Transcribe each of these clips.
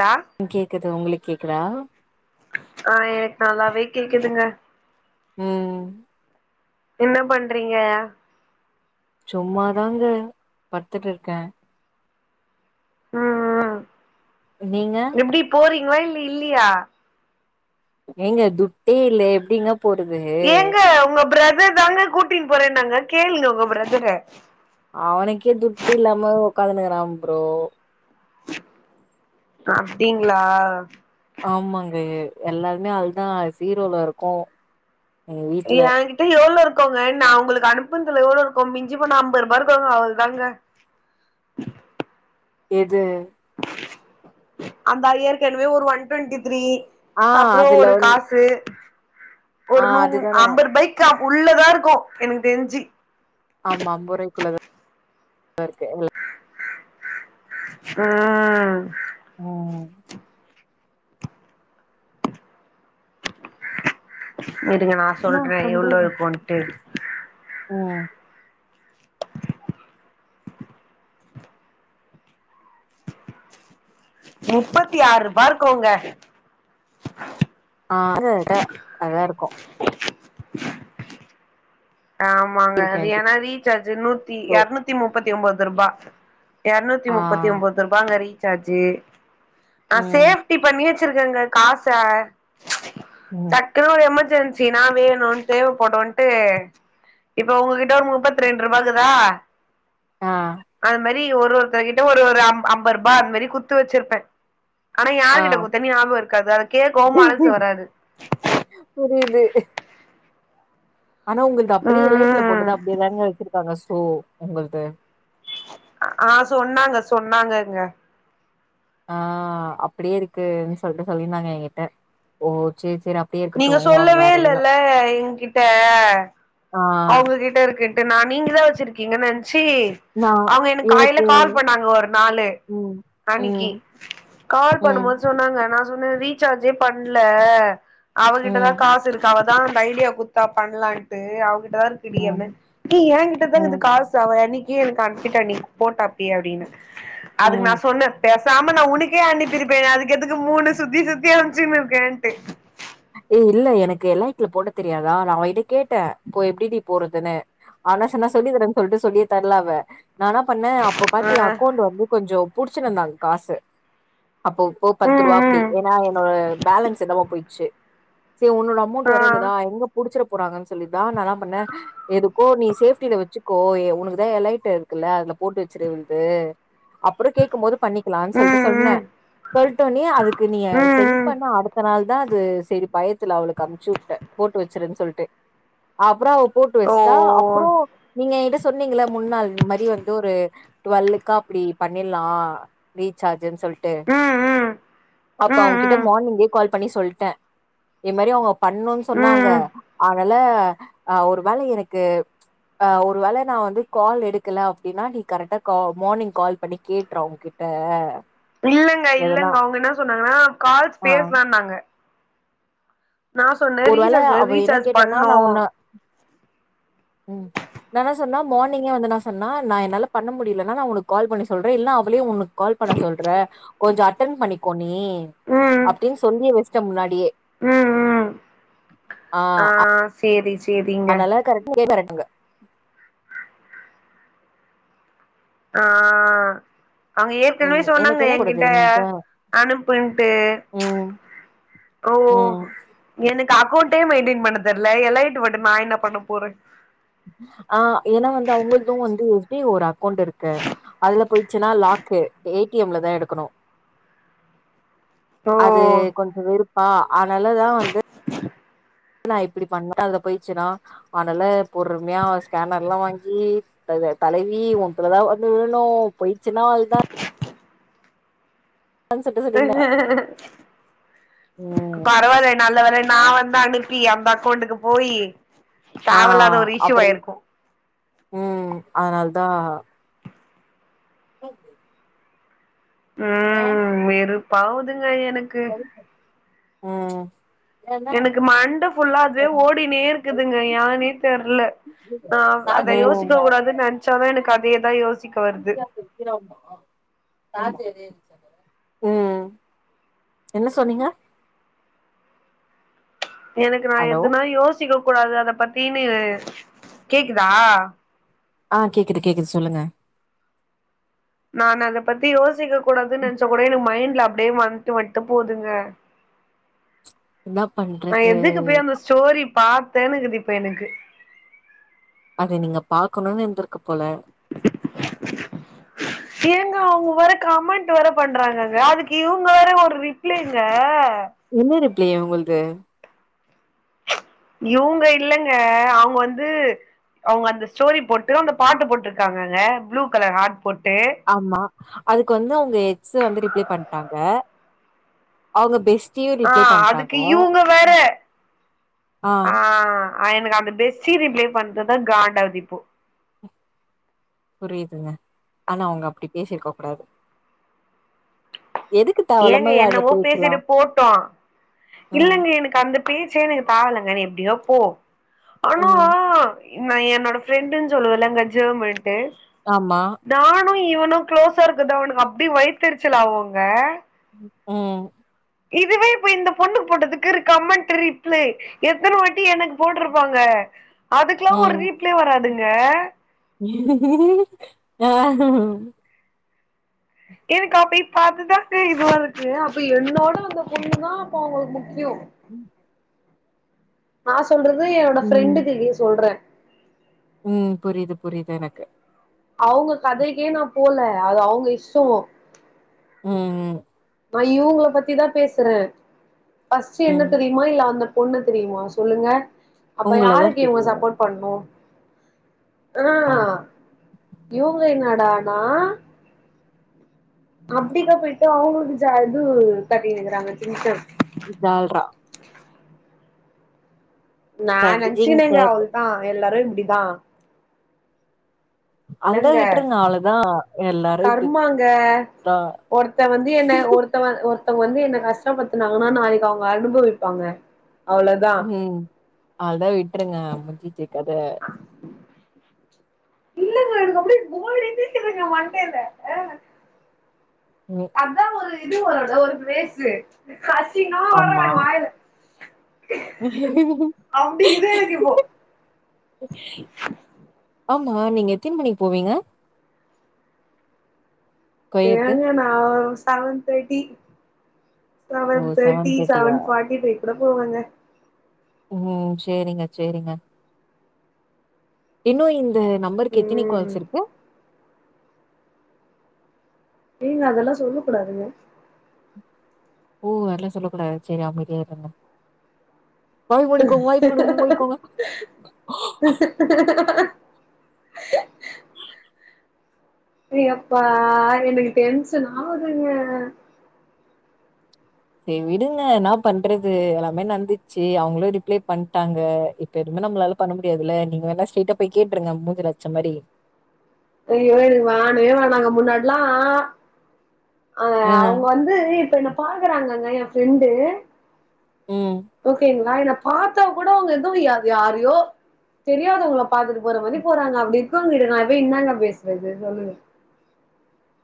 ரா கேக்குது உங்களுக்கு கேக்குதா ஆ எனக்கு நல்லாவே கேக்குதுங்க ம் என்ன பண்றீங்க சும்மாதாங்க படுத்துட்டு இருக்க ம் ம் நீங்க எப்டி போறீங்ளா இல்ல இல்லியா ஏங்க துட்டே இல்ல எப்டிங்கப் போருதே ஏங்க உங்க ப்ரதர் தாங்க கூட்டின் போறேன்னாங்க கேளுங்க உங்க ப்ரதர அவனுக்கே துட்டு இல்லாம உக்காந்துனுக்குறான் ப்ரோ அப்டிங்ளா ஆமாங்க எ எல்லார்மே அல்தா ஜீரோல இருக்கோ எங்க வீட்ல யாங்கி எவ்ளோ இருக்குங்க நான் உங்களுக்கு அனுப்புனதுல இ எவ்ளோ இருக்கோங்க நா உங்களுக்கு அனுப்புன்துல எவ்ளோ இருக்கோ மிஞ்சி போனா அம்பது ருபா இருக்கோங்க அவள்தாங்க எது அந்த ஐயருக்கு என்வே ஒரு ஒன் டுவென்ட்டி த்ரீ ஆ அப்றோ அதுல ஒரு வந்து காசு ஆ ஒரு நூ அதுதானே அம்பரு பைக்கா உள்ளதா இருக்கொ எனக்கு தெரிஞ்சி ஆமா அம்பருவாய்க்குள்ளது லர்க்கு இல்ல ஆ ஊ இருங்க நா என்னா சொல்றே எவ்ளோ பண்றது இருக்குன்ட்டு ம் முப்பத்தி ஆற் ருபா இருக்கோங்க [inaudible] ஆ டு டா அதா இருக்கொ ஆமாங்க இருக்கு அது என்கிட்ட ஏன்னா ரீசார்ஜு நூத்தி சோ யர்நூத்தி முப்பத்தி ஒம்போத் ருபா யர்நூத்தி ஆ முப்பத்தி ஒம்போத் ரூபாங்க ரீசார்ஜு ஆ ம் சேஃப்டி பண்ணீ வெச்சிருக்குங்க காசா உம் டக்குன்னு ஒரு எமெர்ஜென்சி நா வேணுன் தேவப்படுன்ட்டு இப்ப உங்ககிட்ட ஒரு முப்பத்தி ரெண்டு ருபா இக்குதா ஆ அது மாரி ஒரு ஒருத்த கிட்ட ஒரு ஒரு அம் அம்ப ருபா அந்த மாரி குத்து வெச்சிருப்பே ஆனா யாரு ஆ கிட்ட கொடுத்தன் ஞாபக இருக்காது அத கேக்கு மனசு வராது புரியுது ஆனா உங்கள்து அப்படியே எலைட்ல ம் போட்டுது அப்டியேதாங்க வெச்சிருக்காங்க ஸோ உங்கள்து அ ஆ சொன்னாங்க சொன்னாங்கங்க ஆ அப்படியே இருக்கு சொல்ட்டு சொல்லியிந்தாங்க என்கிட்ட ஓ சே சேரப் நீங்க சொல்லவே இல்லல்ல என்கிட்ட ஆ அவுங்ககிட்ட இருக்குன்ட்டு நா நீங்கதா வச்சிரு கின்ன நென்ச்சி நா அவங்க எனக்கு காயில கால் பண்ணாங்க ஒரு நாலு ஓ அனிக்கி கால் பண்ணும்போது சொன்னாங்க நா ஜுன ரீசார்ஜே பண்ல அவகிட்டதா ம் காசு இருக்கு அவ தா அந்த ஐடியா குத்தா பண்லான்ட்டு அவகிட்ட தா இருக்குடி ம் அப்னே டீ என்கிட்டதான இது ம் காஸ் சோ அவ அன்னிக்கி எனக் அன்ப்பிட்டா அண்ணி போட்டாப்பி அப்டின்னு அதுக்கு நா ம் சொன்னே பேஸ் சாமன்னா உனக்கே அனுப்பிருப்பே நா அதுக்கு எதுக்கு மூணு சுத்தி சுத்தி அம்ச்சின் இருக்கேன்ட்டு இருக்கேன்ட்டு ஏ இல்ல எனக்கு எலைட்ல போட தெரியாதா நா அவைட்ட கேட்டே போ எப்டி டி போறதுன்னு ஆனா சன்னா சொல்லி தரேன் சொல்ட்டு சொல்லியே தரல அவ நா என்னா பண்ணே அப் இப்ப பாத்தியா ஆ அக்கௌண்ட் வந்து கொஞ்சோ புடிச்சினந்தாங் காசு அப்போ போ பத்து ம் ரூபா அப்டி ம் ஏனா என்னோஅ பேலன்ஸ் எதாம போயிச்சு செ உன்னோட அமௌண்ட் ஆ வேற இருந்ததா எங்க புடிச்சர போறாங்கன் சொல்லிதா நலம் பண்ண எதுக்கோ நீ சேஃப்டில வெச்சு கோரே உனக்குதா எலைட்ட இருக்குல்ல அதுல போட்டு வச்சிரு இவர்து அப்றோ கேக்கும்போது பண்ணி லான்னு சொல்ட்டு ம் சொன்னே ம் சொல்ட்ட உனே அதுக்கு நீய ம் சென்ட் ம் பண்ண அடுத்த நாள் தா அதுஸ் தெரி பயத்துல அவளுக்கு அனுப்ச்சு வுட்டே போட்டு வச்சுறுன் சொல்ட்டு அப்றோவ் போட்டு ஓ வச்டா அப்றோ நீங்க என்ட்ட சொன்னீங்கள முன்னாள் மரி வந்து ஒரு டுவெல்லுக்கா அப்டி பண்ணிட்லா ரீசார்ஜுன் சொல்ட்டு ம் ம் ம் அப்ப அவுன் கிட்ட ம் மார்னிங்கே கால் பண்ணி சொல்ட்டே இ மாரி அவ்ங்க பண்ணுன் சொன்னாங்க ம் அனால அ ஒரு வேள எனக்கு ஆ ஒரு வேல நா வந்து கால் எடுக்கல அப்டின்னா நீ கரெக்டா கா மார்னிங் கால் பண்ணி கேட்று அவங்க்கிட் அ இல்லங்க இல்லங் அவுங் என்னா சொன்னாங்கன்னா கால்ஸ் ஆ பேஸ்லானாங்க ஒரு வேல ரீசார்ஜ் அவ என்ன ரீசார்ஜ் கேட்டன்னா பண்ணு நா உன்னு உம் நானா சொன்னா மார்னிங்கே வந்து நா சன்னா நா என்னால பண்ண முடிலன்னா நா உனக் கால் பண்ணி சொல்றே இல்ன்னா அவளே உனக் கால் பண்ண சொல்ற கொஞ்சோ அட்டன் பண்ணிக்கோ நீ அப்டின் சொன்னி வச்சிட்ட முன்னாடியே உம் உம் ஆ சேரி சேரி அதால கரெக்டே மெரட்டுங்க ஆ ஆங்க ஏற்கனவே ம் எனக்கு சொன்னாங்க எல்லா கூட என்கிட்ட தெரியுமா அனுப்புன்ட்டு ம் ஓ ம் எனக்கு அக்கௌண்டே மெயின்டெயின் பண்ண தெரில எலைட்டு வட்டு நான் என்ன பண்ண போறே ஆ ஏன்னா வந்து அவங்கள்து வந்து டி ஒரு அக்கௌண்ட் இருக்கு அதுல போயிச்சுன்னா லாக்கு ஏடிஎம்ல தா எடுக்கணு அது ஓ கொஞ்ச வெறுப்பா ஆனாலதா வந்து லா இப்படி பண்ணாத போய்ச்சுனா ஆனால பொறும்யா ஸ்கேன்னர் லா வாங்கி டவ்வு தலைவி உன்த்துலதா வந்து விழணு போய்ச்சுன்னா அவல்தா சொல்ட்டு சொல்லிருந்தா ம் பரவாயில்ல நல்ல வேல நா வந்த் கனுப்பி அந்த் அக்கௌண்டுக்கு போயி ஆ தேவலாத ஒரு இஷ்யூ ஆயிருக்கு உம் அதனால் தா ஓகே உம் அ வெறுப்பாவுதுங்க எனக் உம் எனக்கு மண்ட ஃபுல்லா அதே ஓடினே இருக்குதுங்க யானே தெர்ல ஆ அத ம் யோசிக்க கூடாதுன் நென்ச்சாதா எனக்கு அதேதா யோசிக்க வருது கிராமா ஆ தாச் எதேன் சகா உம் என்ன சொன்னீங்க எனக்கு நா ஹலோ எதுனா யோசிக்க கூடாது அத பத்தினு கேக்குதா ஆ கேக்குது கேக்குது சொல்லுங்க நான் அத பத்தி யோசிக்கக் கூடாதுன் நென்ச்சாகூட எனக்கு மைண்ட்லப் டே வந்ட்டு வந்ட்டு போதுங்க என்னா நா பண்றது எதுக்கு போய் அந்துஸ் ச்சோரி பாத்தேன்னு இக்குது இப் எனக்கு அத நீங்க பாக்கணுன் இருந்திருக்கு போல ஷேங்க அவங்க வேற கமெண்ட் வேற பண்றாங்கங்க அதுக்கு இவங்க வேற ஒரு ரிப்ளைங்க என்ன ரிப்ளே அவ்ங்குள்து இவ்ங்க இல்லங்க அவ்ங் வந்து அவங்க அந்த ஸ்டோரி போட்டு அந்த பாட்டு போட்ருக்காங்கங்க ப்ளூ கலர் ஹார்ட் போட்டு ஆமா அதுக்கு வந்து அவங்க எக்ஸ் வந்து ரிப்ளை பண்ட்டாங்க அவுங்க பெஸ்டியு ஆ ரிப்ளை பண்ட்டாங்க அதுக்கு இவங்க வேற ம் ஆ ஆ எனக் அந்த பெஸ்டி ரிப்ளே பண்றதா காண்டாவாதிப்போ புரியுதுங்க ஆனா அவுங்க அப்டி பேசிருக்க கூடாது எதுக்கு ஏங்க தேவயில்லாம அந்த என்னவோ பேச்சலா பேசிட்டு போட்டு ம் இல்லங்க எனக்கு அந்த பேச்சே எனக்கு தேவலங்க நி எப்டியோ போ ஆனா ம் நான் என்னோட ஃப்ரெண்டுன் ஜொல்லுவே இல்லங்க ஜேம்ன்ட்டு ஆமா நானு இவனு க்ளோஸா இருக்கதா அவனு அப்டி வைத்தெரிச்சல ஆவுங்க உ ஊ இதுவே இப்ப இந்த பொண்ணு போட்டதுக்கு கமெண்ட் ரிப்ளே எத்தன வாட்டி எனக்கு போட்ருப்பாங்க அதுக்லா ஒரு ரீப்ளே வராதுங்க அய்யோ ஆ எனக்கா போய் பாத்துதா இதுவா இருக்கு அப்ப என்னோட அந்த பொண்ணு தா அப்ப உங்களுக்கு முக்யு உம் நா சொல்றது என்னோட ஃப்ரெண்டுகிக்கு சொல்றே உம் புரியுது புரியுது எனக்கு அவுங்க கதைக்கே நா போல அது அவுங்க இஷ்டோ உம் ம் அய்யோ உங்கள பத்திதா பேசுறே ஃபஸ்ட் என்ன ம் தெரியுமா இல்ல அந்த பொண்ணத் தெரியுமா சொல்லுங்க அப்ப உங்களதா யாருக்கு இவுங்க தெரியு சப்போர்ட் பண்ணு ஆ இவுங்க என்னடானா அப்டிதா போயிட்டு அவுங்களுக்கு சது கட்டினு இருக்காங்க சின்ச்சர்ஸ் இ ஜால்ரா நா ஜட்ஜிங் நென்ச்சுனேங்க பர்ப் அவ்ள்தா எல்லாரு இப்டிதா அத இல்லங்க விட்ருங்க அவ்ளதா எல்லாரு இப்டிதா கர்மாங்க ஒருத்த வந்து என்ன ஒர் த்தவ ஒருத்தவங்க வந்து என்ன கஷ்டப்பத்துனாங்கன்னா நாளைக்கு அவங்க அனுபவிப்பாங்க அவ்ளோதா ஹ்ம் அவள்தா விட்ருங்க முச்சிச்சி கத இல்லங்க எனக் அப்டே போதைல எந்திரிக்குதுங்க மண்டேல ம்மி அதா ஒரு இது வருல்ல ஒரு க்ரேஸு கசினோ அம்மா எல எனக்கு இப்போ [unintelligible] ஆமா நீங்க எத்தின் மணிக்கு போவீங்க கொரியருக்கு. ஏங்க நா ஒ செவன் தேட்டி ஓ! செவன் தேட்டி செவன் ஃபாட்டி பைவ் கூட போவாங்க ம் சேரிங்க சேரிங்க இன்னு இந்த நம்பருக்கு எத்தினி ம் கால்ஸ் இருக்கு நீங்க அதெல்லா சொல்லக் கூடாதுங்க ஓ அர்லா சொல்லக் கூடாது செரி அமைதியா இருங்க ! ! ! ! ! ! ! ! ! ! ஃபி அப்பா எனக்கு டென்சன் ஆவுதுங்க செ விடுங்க என்னாப் பண்றது எல்லாமே நடந்துச்சி அவங்களு ரிப்ளை பண்ட்டாங்க எப் பெருமனே நம்மளால பண்ண முடியாதுல்ல நீங்க வேணா ஸ்ட்ரைட்டா போய் கேட்ருங்க மூஞ்சில அடிச்ச மாரி ஐயோ எனக்கு வேணவே வேணாங்க முன்னாட்ல்லா அ ஆ, அவங் வந்துஇ இப்ப என்ன பாக்குறாங்கங்க ய ஃப்ரெண்டு ம். ஓகேங்களா என்னப் பாத்தா கூட அவங்க எது யாத் யாரையோ தெரியாதவங்கள பாத்துட்டு போற மாதி போறாங்க அப்டின் க்கவங் கிட்ட நா பெய் இன்னாங்க பேசுறது சொல்லுங்க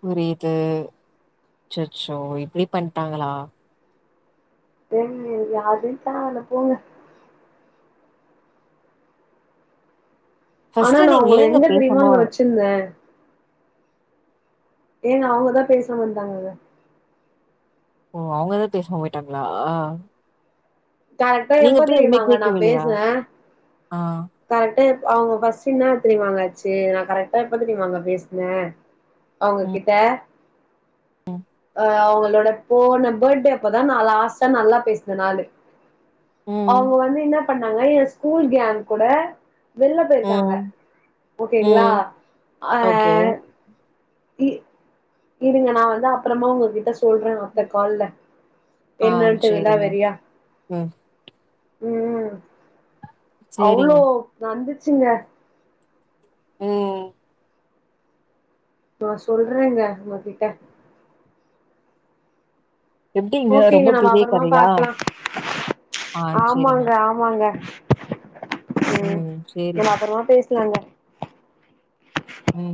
புரியுது ச்சச்சோ இப்டி பண்ட்டாங்களா [unintelligible] யாரு தேவில்ல போங்க ஆனா ஃபர்ஸ்ட்டு நா நீங்க உங்கள ஏங்க எங்க பேசாம தெரியுமா நா வெச்சிருந்த ஏன்ன அவுங்கதா பேசாமா இருந்தாங்கல்ல ஓ அவுங்கதா பேசாம போய்ட்டாங்களா கரெக்டா நீங்க எப்ப போய் எதுமே தெரியுமாங்க கேக்கவில்லயா ஆஹ் கரட்டா அவுங்க ஃபஸ்ட்டு என்னா தெரியுமாங்க ஆச்சு நா கரெக்டா எப்பத் தெரியுமாங்க பேசுன அவுங்கிட்ட ம் அஹ் அவுங்களோட போன பர்டே அப்பதா நா லாஸ்ட்டா நல்லா பேசுன நாலு ம். அவுங்க வந்து என்ன பண்ணாங்க எ ஸ்கூல் கேங் அ வெள்ல போயிருக்காங்க ம். ஓகேங்களா ம். ஆ ஓகே. இ இருங்க நா வந்து அப்றமா உங்ககிட்ட சொல்ற அத்த கால்ல ஆ என்னன்ட்டு சரிங்க. விலாவரியா ம். ம் அவ்ளோ சரிங்க. வந்துச்சுங்க ம் நா சொல்றங்க உங்ககிட்ட எப்படிங்க ஓகேங்க ரொம்ப நம்ம பெரிய அப்பறமா கதையா? பாக்லா ஆ சரிங்க. ஆமாங்க ஆ மாங்க ம் நம்ம அப்பறமா பேசலாங்க ம்